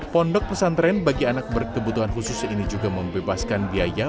pondok pesantren bagi anak berkebutuhan khusus ini juga membebaskan biaya